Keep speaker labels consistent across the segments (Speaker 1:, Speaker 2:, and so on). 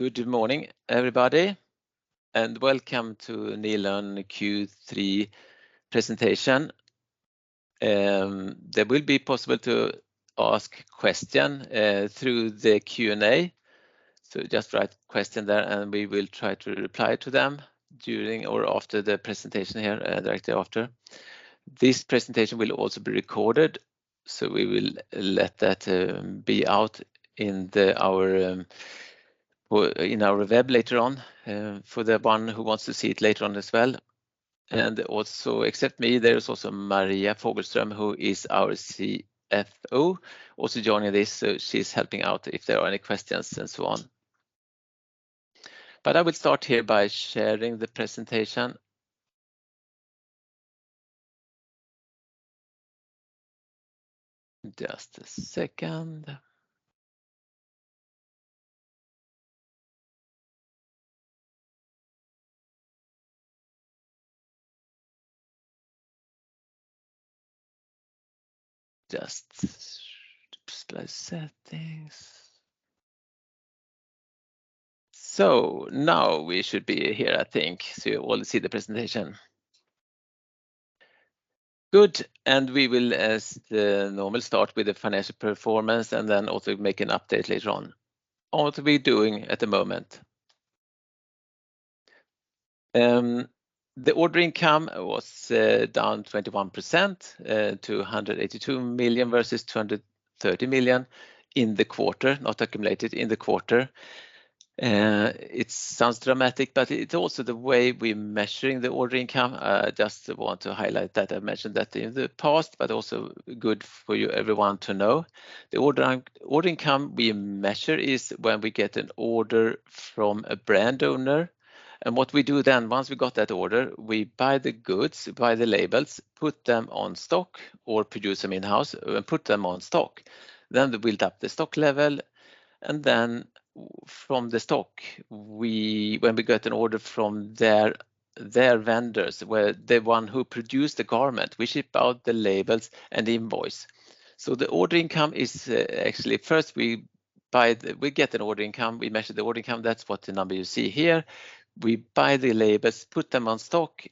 Speaker 1: Good morning, everybody, and welcome to Nilörn Q3 presentation. There will be possible to ask question through the Q&A. So just write question there, and we will try to reply to them during or after the presentation here, directly after. This presentation will also be recorded, so we will let that be out in our web later on, for the one who wants to see it later on as well. And also, except me, there is also Maria Fogelström, who is our CFO, also joining this. So she's helping out if there are any questions, and so on. But I will start here by sharing the presentation. Just a second. Just slide settings. So now we should be here, I think, so you all see the presentation. Good, and we will, as the normal, start with the financial performance, and then also make an update later on on what we're doing at the moment. The order income was down 21% to 182 million versus 230 million in the quarter, not accumulated, in the quarter. It sounds dramatic, but it's also the way we're measuring the order income. Just want to highlight that. I mentioned that in the past, but also good for you, everyone to know. The order income we measure is when we get an order from a brand owner, and what we do then, once we got that order, we buy the goods, buy the labels, put them on stock, or produce them in-house and put them on stock. Then we build up the stock level, and then from the stock, when we get an order from their vendors, where the one who produced the garment, we ship out the labels and the invoice. So the order income is, actually, first, we get an order income, we measure the order income, that's what the number you see here. We buy the labels, put them on stock,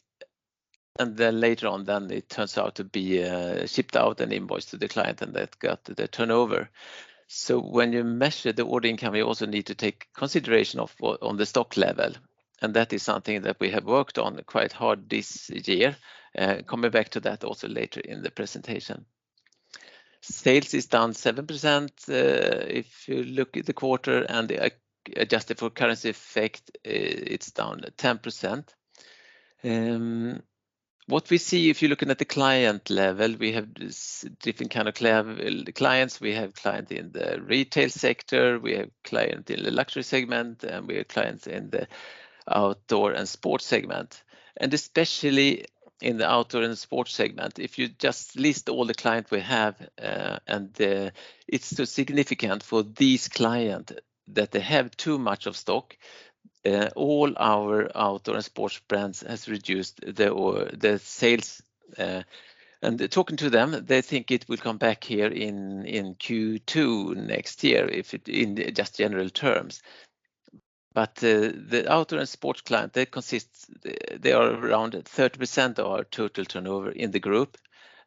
Speaker 1: and then later on, it turns out to be shipped out and invoiced to the client, and that got the turnover. So when you measure the order income, you also need to take consideration of the stock level, and that is something that we have worked on quite hard this year. Coming back to that also later in the presentation. Sales is down 7%. If you look at the quarter and adjusted for currency effect, it's down 10%. What we see, if you're looking at the client level, we have this different kind of clients. We have client in the retail sector, we have client in the Luxury segment, and we have clients in the Outdoor and Sports segment. And especially in the Outdoor and Sports segment, if you just list all the client we have, and, it's so significant for these client that they have too much of stock. All our Outdoor and Sports brands has reduced their sales, and talking to them, they think it will come back here in Q2 next year, in just general terms. But, the Outdoor and Sports client, they consist, they are around 30% of our total turnover in the group.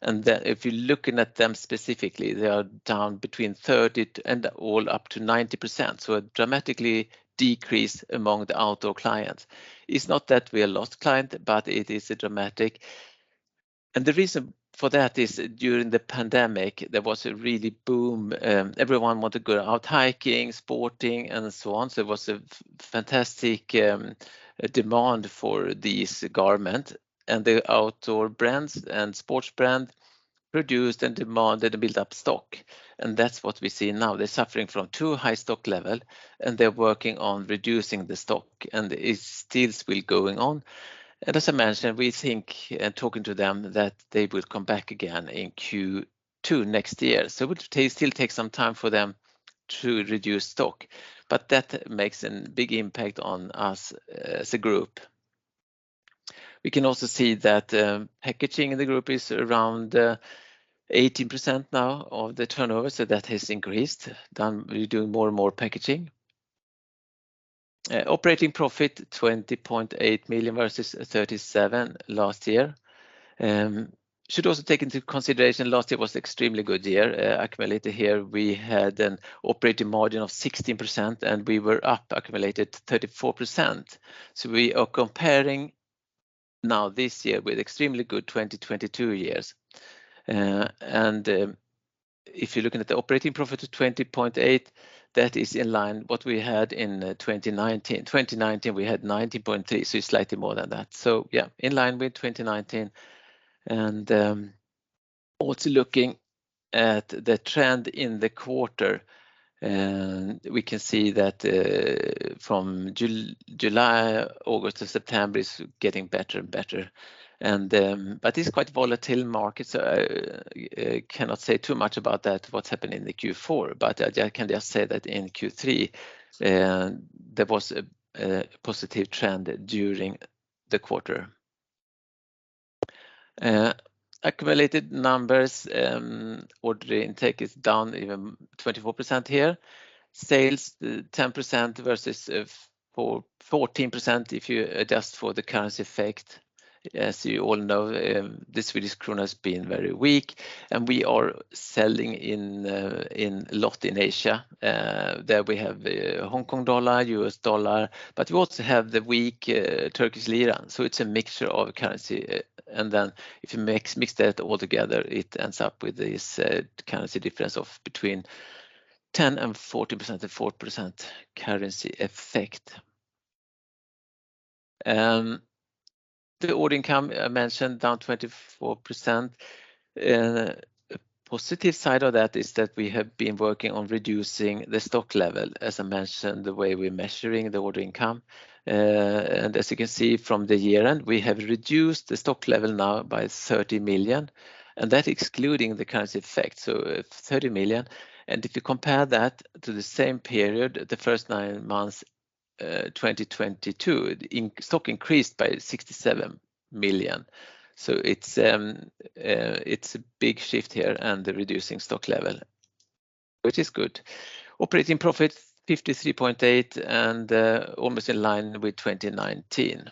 Speaker 1: And then if you're looking at them specifically, they are down between 30% and all up to 90%, so a dramatically decrease among the Outdoor clients. It's not that we are lost client, but it is a dramatic. And the reason for that is, during the pandemic, there was a really boom, everyone want to go out hiking, sporting, and so on. So it was a fantastic, demand for these garment, and the Outdoor brands and Sports brand produced and demanded a build-up stock, and that's what we see now. They're suffering from too high stock level, and they're working on reducing the stock, and it still will going on. As I mentioned, we think, talking to them, that they will come back again in Q2 next year. So it will still take some time for them to reduce stock, but that makes a big impact on us as a group. We can also see that, packaging in the group is around, 18% now of the turnover, so that has increased. We're doing more and more packaging. Operating profit, 20.8 million versus 37 million last year. Should also take into consideration last year was extremely good year. Accumulated here, we had an operating margin of 16%, and we were up accumulated 34%. So we are comparing now this year with extremely good 2022 year. And, if you're looking at the operating profit of 20.8 million, that is in line what we had in 2019. 2019 we had 90.3 million, so slightly more than that. So yeah, in line with 2019, and also looking at the trend in the quarter, we can see that from July, August to September, it's getting better and better. But it's quite volatile market, so I cannot say too much about that, what's happened in the Q4, but I just can just say that in Q3, there was a positive trend during the quarter. Accumulated numbers, order intake is down even 24% here. Sales, 10% versus 14% if you adjust for the currency effect. As you all know, the Swedish krona has been very weak, and we are selling in a lot in Asia. There we have, Hong Kong dollar, US dollar, but we also have the weak, Turkish lira. So it's a mixture of currency, and then if you mix, mix that all together, it ends up with this, currency difference of between 10% and 40% to 4% currency effect. The order income I mentioned down 24%. Positive side of that is that we have been working on reducing the stock level, as I mentioned, the way we're measuring the order income. And as you can see from the year-end, we have reduced the stock level now by 30 million, and that excluding the currency effect, so 30 million. And if you compare that to the same period, the first nine months, 2022, stock increased by 67 million. So it's a big shift here and the reducing stock level, which is good. Operating profit, 53.8 and almost in line with 2019.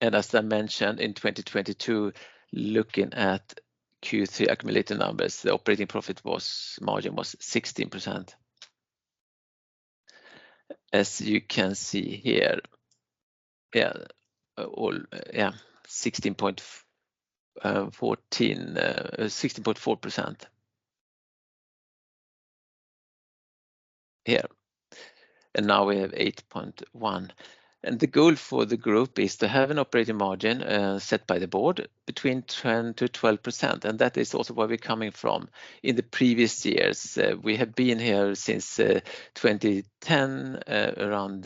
Speaker 1: And as I mentioned in 2022, looking at Q3 accumulated numbers, the operating profit margin was 16%. As you can see here, 16.4%. Here, and now, we have 8.1%. And the goal for the group is to have an operating margin set by the board between 10%-12%, and that is also where we're coming from. In the previous years, we have been here since 2010, around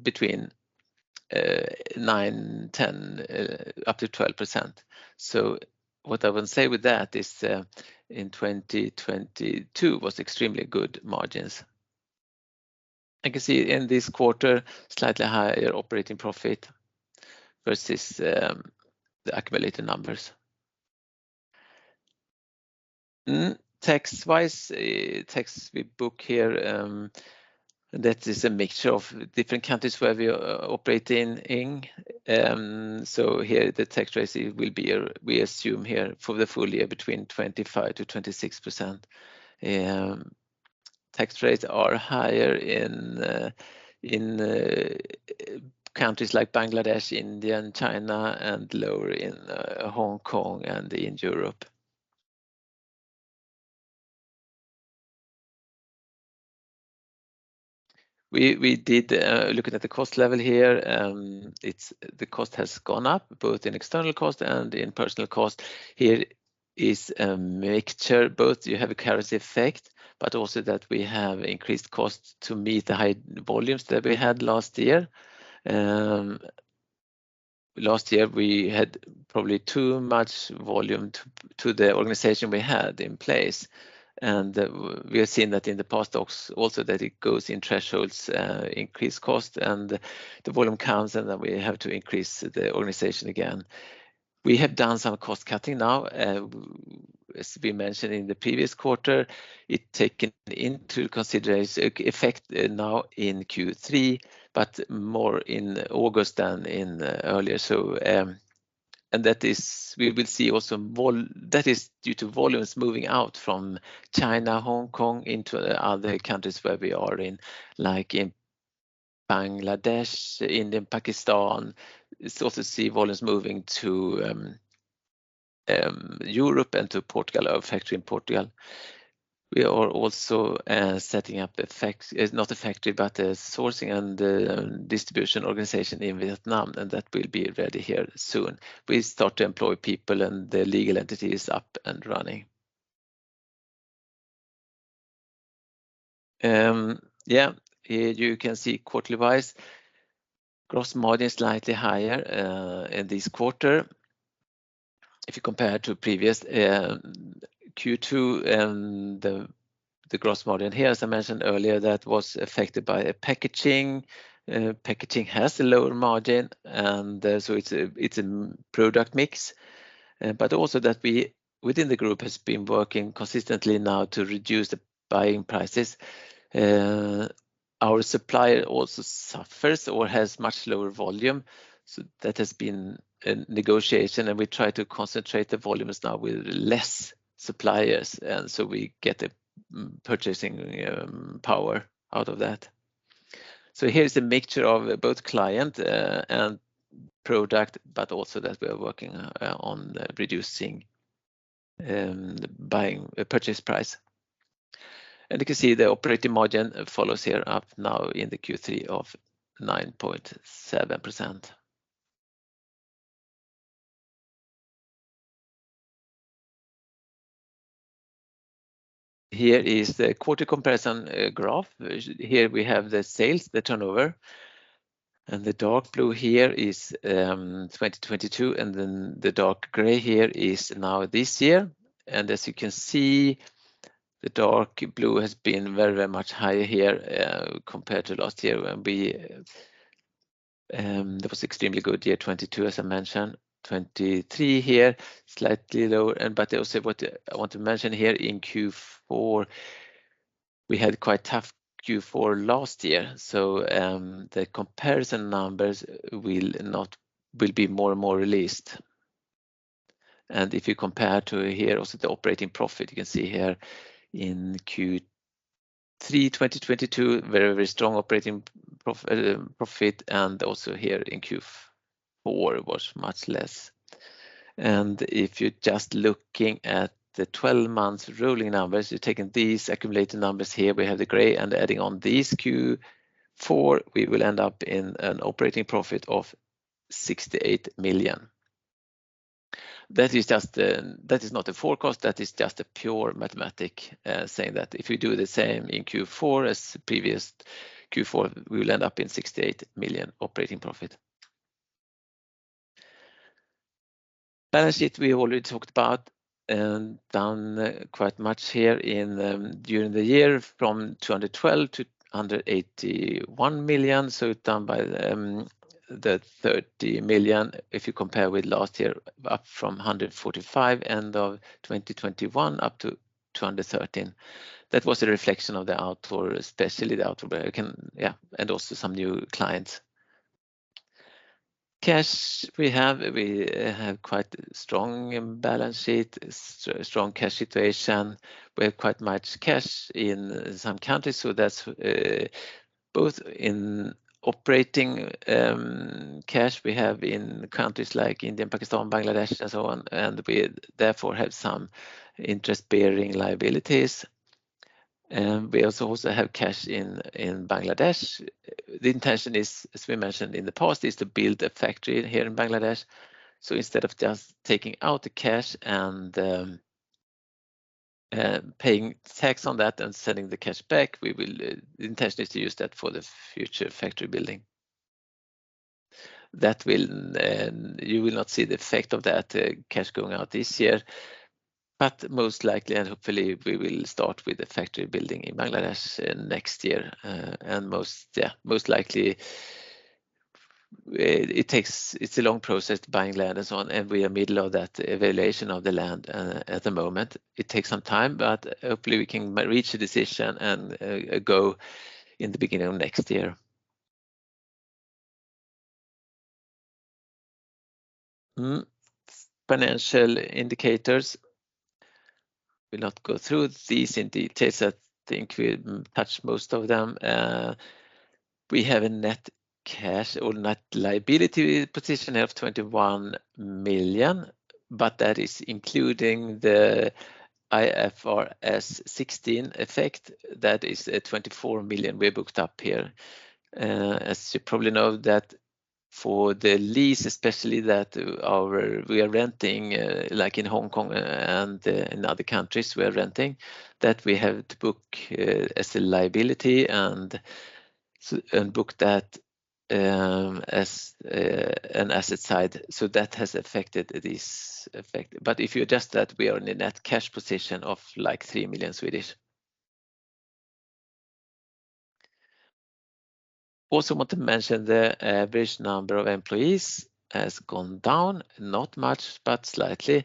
Speaker 1: between 9%-12%. So what I would say with that is, in 2022 was extremely good margins. I can see in this quarter, slightly higher operating profit versus the accumulated numbers. Tax-wise, tax we book here that is a mixture of different countries where we are operating in. So here the tax rate will be, we assume here for the full year, between 25%-26%. Tax rates are higher in countries like Bangladesh, India, and China, and lower in Hong Kong and in Europe. We did, looking at the cost level here, it's the cost has gone up, both in external cost and in personnel cost. Here is a mixture, both you have a currency effect, but also that we have increased costs to meet the high volumes that we had last year. Last year, we had probably too much volume to the organization we had in place, and we have seen that in the past talks also that it goes in thresholds, increased cost and the volume counts, and then we have to increase the organization again. We have done some cost cutting now, as we mentioned in the previous quarter, it taken into consideration effect now in Q3, but more in August than in earlier. So, and that is, we will see also that is due to volumes moving out from China, Hong Kong into other countries where we are in, like in Bangladesh, India, and Pakistan. It's also see volumes moving to, Europe and to Portugal, a factory in Portugal. We are also setting up a factory. It's not a factory, but a sourcing and distribution organization in Vietnam, and that will be ready here soon. We start to employ people and the legal entity is up and running. Yeah, here you can see quarterly wise, gross margin is slightly higher in this quarter. If you compare to previous Q2 and the gross margin here, as I mentioned earlier, that was affected by packaging. Packaging has a lower margin, and so it's a product mix, but also that we within the group has been working consistently now to reduce the buying prices. Our supplier also suffers or has much lower volume, so that has been a negotiation, and we try to concentrate the volumes now with less suppliers, and so we get a purchasing power out of that. So here is a mixture of both client and product, but also that we are working on reducing buying purchase price. And you can see the operating margin follows here up now in the Q3 of 9.7%. Here is the quarter comparison graph. Here we have the sales, the turnover, and the dark blue here is 2022, and then the dark gray here is now this year. And as you can see the dark blue has been very, very much higher here compared to last year when we that was extremely good year 2022, as I mentioned. 2023 here, slightly lower, but also what I want to mention here in Q4, we had quite a tough Q4 last year, so the comparison numbers will be more and more released. If you compare to here, also the operating profit, you can see here in Q3 2022, very, very strong operating profit, and also here in Q4, it was much less. If you're just looking at the twelve-month rolling numbers, you're taking these accumulated numbers here, we have the gray and adding on these Q4, we will end up in an operating profit of 68 million. That is just, that is not a forecast, that is just a pure mathematical, saying that if you do the same in Q4 as previous Q4, we will end up in 68 million operating profit. Balance sheet, we already talked about and done quite much here in during the year from 212 million to 181 million, so down by 30 million. If you compare with last year, up from 145 million, end of 2021, up to 213 million. That was a reflection of the Outdoor, especially the outdoor American, yeah, and also some new clients. Cash, we have quite strong balance sheet, strong cash situation. We have quite much cash in some countries, so that's both in operating cash we have in countries like India, Pakistan, Bangladesh, and so on, and we therefore have some interest-bearing liabilities. We also have cash in Bangladesh. The intention is, as we mentioned in the past, is to build a factory here in Bangladesh. So instead of just taking out the cash and paying tax on that and sending the cash back, the intention is to use that for the future factory building. That will, you will not see the effect of that cash going out this year, but most likely and hopefully, we will start with the factory building in Bangladesh next year, and most likely, it takes - it's a long process buying land and so on, and we are middle of that evaluation of the land, at the moment. It takes some time, but hopefully we can reach a decision and go in the beginning of next year. Financial indicators. Will not go through these in details. I think we touched most of them. We have a net cash or net liability position of 21 million, but that is including the IFRS 16 effect. That is a 24 million we booked up here. As you probably know, that for the lease, especially that we are renting, like in Hong Kong and in other countries, we are renting, that we have to book as a liability and book that as an asset side. So that has affected this effect. But if you adjust that, we are in a net cash position of, like, 3 million. Also want to mention the average number of employees has gone down, not much, but slightly.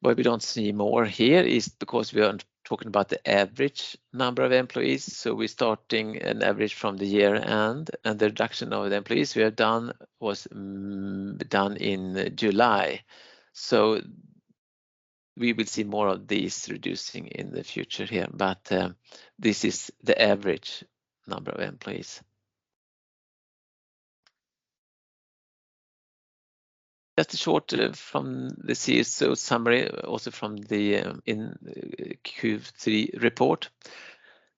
Speaker 1: Why we don't see more here is because we are talking about the average number of employees, so we're starting an average from the year-end, and the reduction of the employees we have done was done in July. So we will see more of these reducing in the future here, but this is the average number of employees. Just a short from the CSO summary, also from the in Q3 report.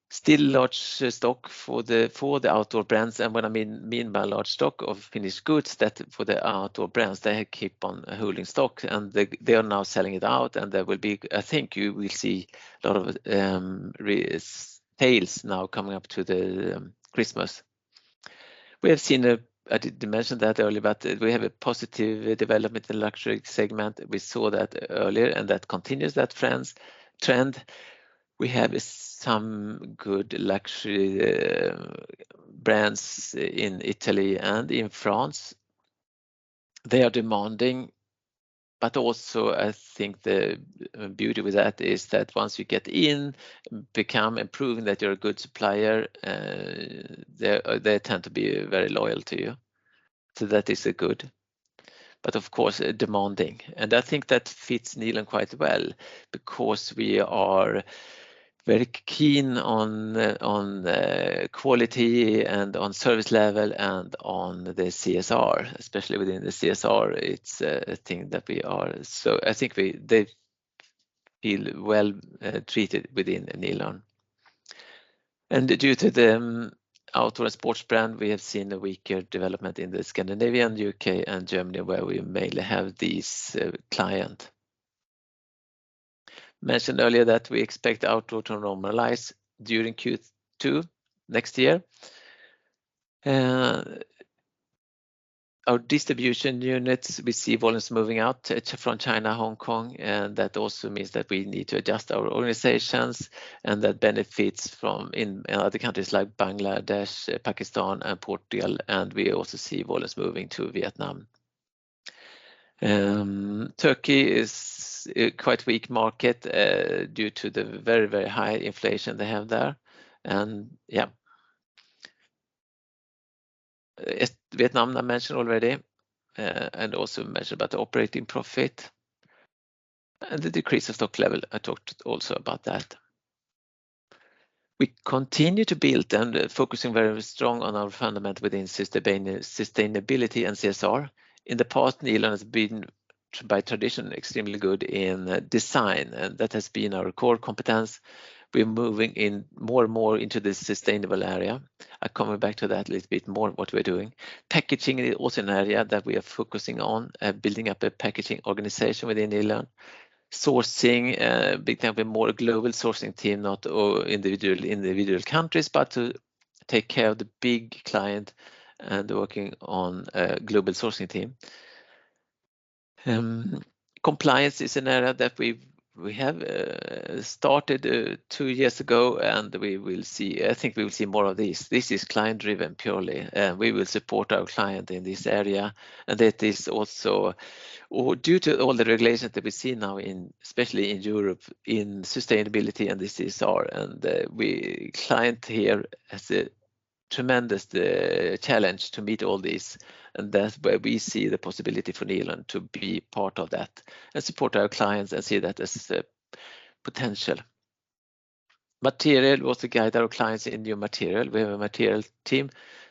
Speaker 1: Still large stock for the Outdoor brands, and what I mean by large stock of finished goods, that for the Outdoor brands, they keep on holding stock, and they are now selling it out, and there will be, I think you will see a lot of resales now coming up to the Christmas. We have seen a... I did mention that earlier, but we have a positive development in the Luxury segment. We saw that earlier, and that continues that trend. We have some good Luxury brands in Italy and in France. They are demanding, but also I think the beauty with that is that once you get in, become and proving that you're a good supplier, they tend to be very loyal to you. So that is a good, but of course, demanding. And I think that fits Nilörn quite well because we are very keen on quality and on service level and on the CSR, especially within the CSR, it's a thing that we are, so I think they feel well-treated within Nilörn. Due to the Outdoor and Sports brand, we have seen a weaker development in Scandinavia, U.K., and Germany, where we mainly have this client. Mentioned earlier that we expect Outdoor to normalize during Q2 next year. Our distribution units, we see volumes moving out from China, Hong Kong, and that also means that we need to adjust our organizations, and that benefits from in other countries like Bangladesh, Pakistan, and Portugal, and we also see volumes moving to Vietnam. Turkey is a quite weak market, due to the very, very high inflation they have there. Yeah. Vietnam I mentioned already, and also mentioned about the operating profit, and the decrease of stock level, I talked also about that. We continue to build and focusing very strong on our fundamentals within sustainability and CSR. In the past, Nilörn has been, by tradition, extremely good in design, and that has been our core competence. We're moving more and more into the sustainable area. I coming back to that a little bit more, what we're doing. Packaging is also an area that we are focusing on, building up a packaging organization within Nilörn. Sourcing, becoming more global sourcing team, not all individual countries, but to take care of the big client and working on global sourcing team. Compliance is an area that we've started two years ago, and I think we will see more of this. This is client-driven, purely, and we will support our client in this area. That is also, or due to all the regulations that we see now in, especially in Europe, in sustainability and the CSR, and our clients here have a tremendous challenge to meet all this, and that's where we see the possibility for Nilörn to be part of that and support our clients and see that as a potential. Materials also guide our clients in new materials. We have a materials team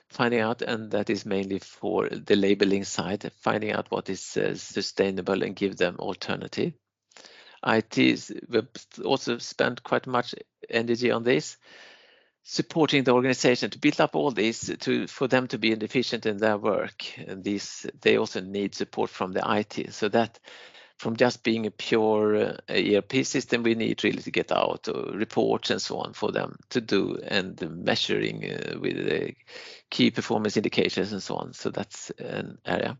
Speaker 1: finding out, and that is mainly for the labeling side, finding out what is sustainable and give them alternatives. IT has also spent quite much energy on this, supporting the organization to build up all this, to for them to be efficient in their work. And this, they also need support from the IT. So that from just being a pure ERP system, we need really to get out reports and so on for them to do, and measuring with the key performance indicators and so on. So that's an area.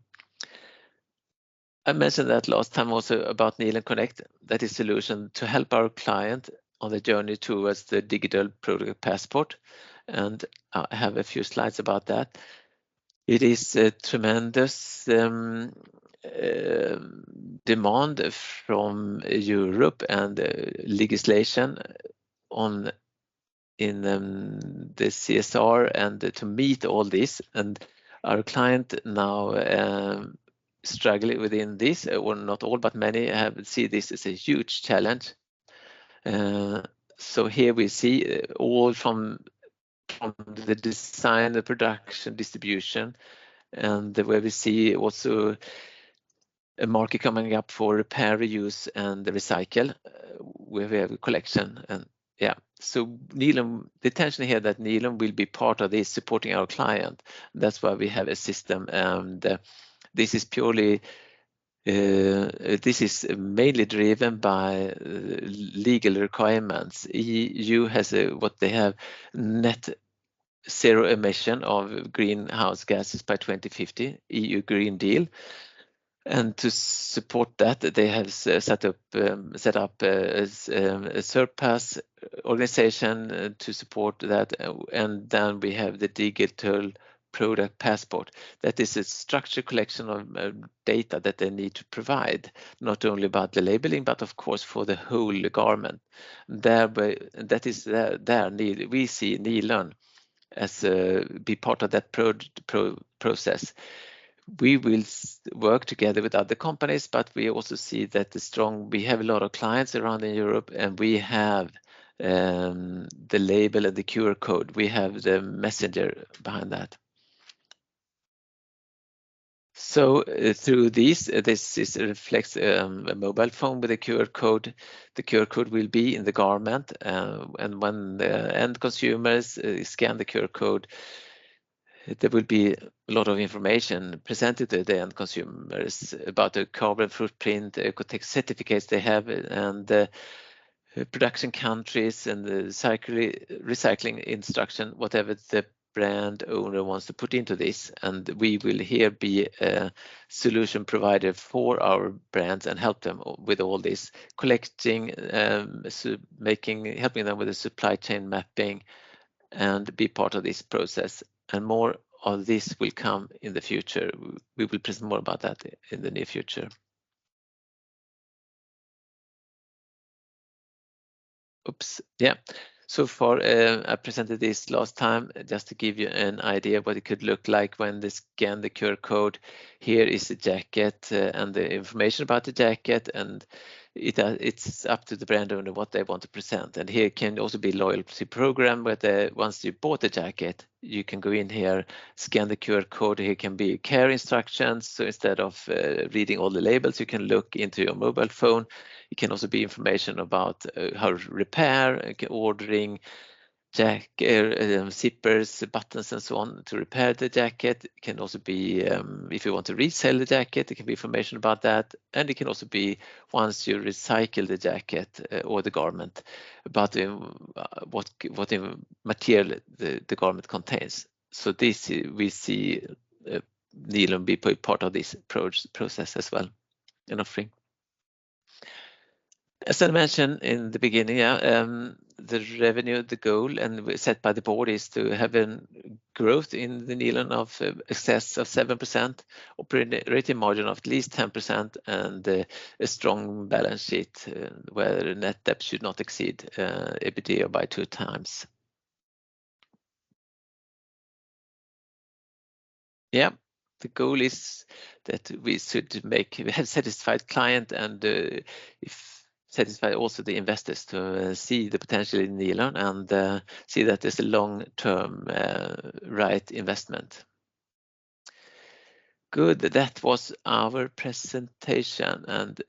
Speaker 1: I mentioned that last time also about Nilörn CONNECT. That is solution to help our client on the journey towards the Digital Product Passport, and I have a few slides about that. It is a tremendous demand from Europe and legislation in the CSR and to meet all this, and our client now struggling within this. Well, not all, but many see this as a huge challenge. So here we see all from, from the design, the production, distribution, and where we see also a market coming up for repair, reuse, and recycle, where we have a collection and, yeah. So Nilörn, the intention here that Nilörn will be part of this, supporting our client. That's why we have a system, and this is purely, this is mainly driven by legal requirements. E.U. has a, what they have, net zero emission of greenhouse gases by 2050, E.U. Green Deal. And to support that, they have set up a surplus organization to support that. And then we have the Digital Product Passport. That is a structured collection of data that they need to provide, not only about the labeling, but of course, for the whole garment. Thereby, that is, there, we see Nilörn as be part of that process. We will work together with other companies, but we also see that the strong... We have a lot of clients around in Europe, and we have the label and the QR code. We have the messenger behind that. So through this, this is a reflects a mobile phone with a QR code. The QR code will be in the garment, and when the end consumers scan the QR code, there will be a lot of information presented to the end consumers about the carbon footprint, the OEKO-TEX certificates they have, and the production countries, and the recycling, recycling instruction, whatever the brand owner wants to put into this. And we will here be a solution provider for our brands and help them with all this collecting, making, helping them with the supply chain mapping and be part of this process. And more of this will come in the future. We will present more about that in the near future. Yeah. So far, I presented this last time just to give you an idea of what it could look like when they scan the QR Code. Here is the jacket, and the information about the jacket, and it, it's up to the brand owner what they want to present. And here can also be loyalty program, where the, once you bought the jacket, you can go in here, scan the QR Code. Here can be care instructions. So instead of, reading all the labels, you can look into your mobile phone. It can also be information about, how to repair, ordering jacket zippers, buttons, and so on to repair the jacket. It can also be, if you want to resell the jacket, it can be information about that, and it can also be once you recycle the jacket or the garment, about the what material the garment contains. So this, we see Nilörn be part of this process as well in offering. As I mentioned in the beginning, the revenue goal set by the board is to have a growth in Nilörn in excess of 7%, operating margin of at least 10%, and a strong balance sheet, where net debt should not exceed EBITDA by 2x. The goal is that we should make we have satisfied client and if satisfy also the investors to see the potential in Nilörn and see that there's a long-term right investment. Good, that was our presentation, and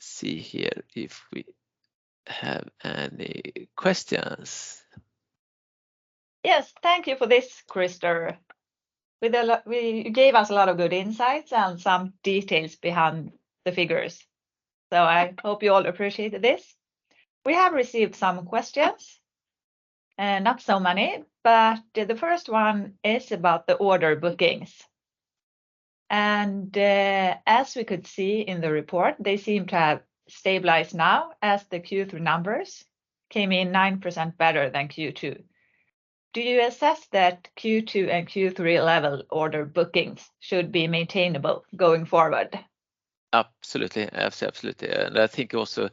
Speaker 1: see here if we have any questions.
Speaker 2: Yes, thank you for this, Krister. You gave us a lot of good insights and some details behind the figures, so I hope you all appreciated this. We have received some questions, and not so many, but the first one is about the order bookings. And, as we could see in the report, they seem to have stabilized now, as the Q3 numbers came in 9% better than Q2. Do you assess that Q2 and Q3 level order bookings should be maintainable going forward?
Speaker 1: Absolutely. Absolutely. And I think also,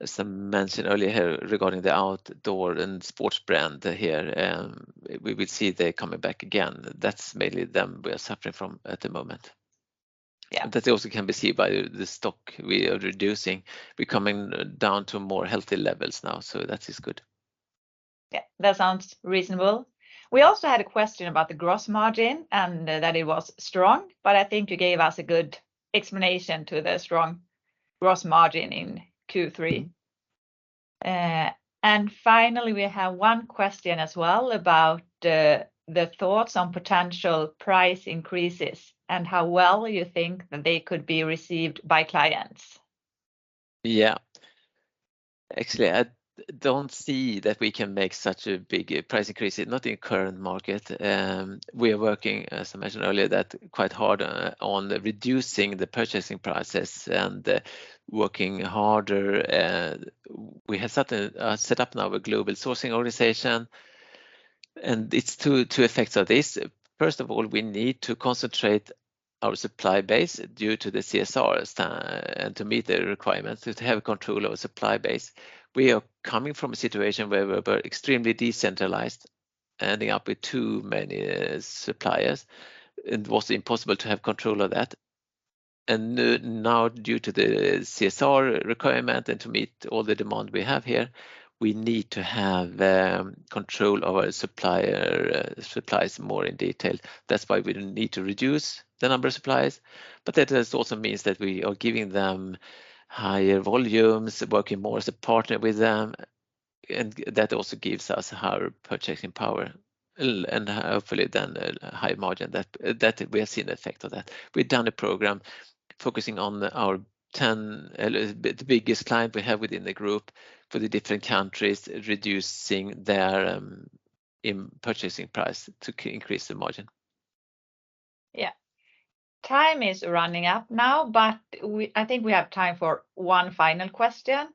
Speaker 1: as I mentioned earlier here regarding the Outdoor and Sports brand here, we will see they're coming back again. That's mainly them we are suffering from at the moment. Yeah, that also can be seen by the stock we are reducing. We're coming down to more healthy levels now, so that is good.
Speaker 2: Yeah, that sounds reasonable. We also had a question about the gross margin and that it was strong, but I think you gave us a good explanation to the strong gross margin in Q3. And finally, we have one question as well about the thoughts on potential price increases and how well you think they could be received by clients.
Speaker 1: Yeah. Actually, I don't see that we can make such a big price increase, not in current market. We are working, as I mentioned earlier, that quite hard on reducing the purchasing prices and working harder. We have started set up now a global sourcing organization, and it's two effects of this. First of all, we need to concentrate our supply base due to the CSRs and to meet the requirements, to have control of our supply base. We are coming from a situation where we were extremely decentralized, ending up with too many suppliers. It was impossible to have control of that. And now, due to the CSR requirement and to meet all the demand we have here, we need to have control our supplier, supplies more in detail. That's why we need to reduce the number of suppliers, but that just also means that we are giving them higher volumes, working more as a partner with them, and that also gives us higher purchasing power and hopefully then a high margin. That, that we have seen the effect of that. We've done a program focusing on our 10, the biggest client we have within the group for the different countries, reducing their, purchasing price to increase the margin.
Speaker 2: Yeah. Time is running up now, but we, I think we have time for one final question,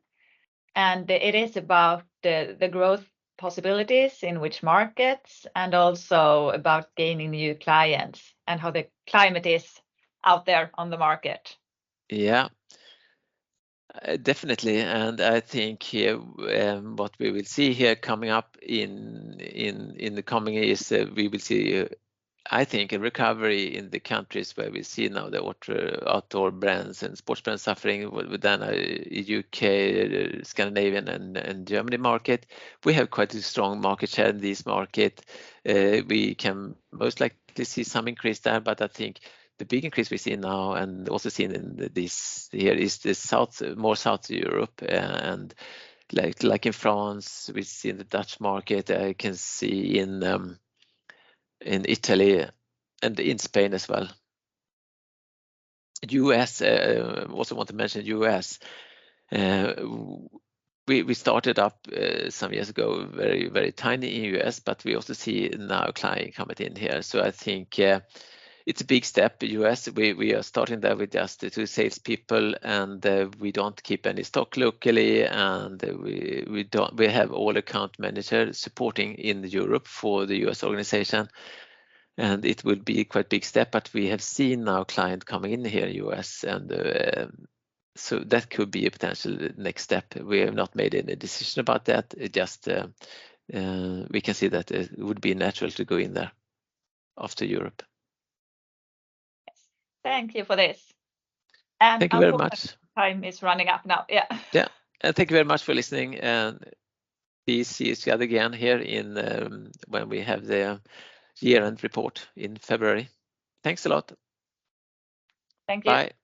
Speaker 2: and it is about the growth possibilities in which markets, and also about gaining new clients and how the climate is out there on the market.
Speaker 1: Yeah, definitely. And I think here, what we will see here coming up in the coming years, we will see, I think, a recovery in the countries where we see now the Outdoor brands and Sports brands suffering within U.K., Scandinavia and Germany market. We have quite a strong market share in this market. We can most likely see some increase there, but I think the big increase we see now and also seen in this year is the South, more South Europe, and like in France, we see in the Dutch market, I can see in Italy and in Spain as well. U.S., also want to mention U.S. We started up some years ago, very, very tiny in U.S., but we also see now client coming in here. So I think it's a big step, U.S. We are starting there with just two salespeople, and we don't keep any stock locally, and we don't - we have all account manager supporting in Europe for the U.S. organization, and it will be quite big step, but we have seen now client coming in here, U.S., and so that could be a potential next step. We have not made any decision about that. It just we can see that it would be natural to go in there after Europe.
Speaker 2: Yes. Thank you for this.
Speaker 1: Thank you very much.
Speaker 2: Time is running up now. Yeah.
Speaker 1: Yeah. Thank you very much for listening, and we see you together again here in, when we have the year-end report in February. Thanks a lot.
Speaker 2: Thank you.
Speaker 1: Bye.